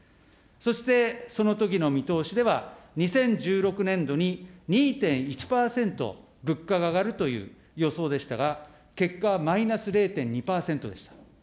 そして、そのときの見通しでは、２０１６年度に２．１％物価が上がるという予想でしたが、結果はマイナス０．２％でした。